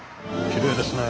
きれいですね。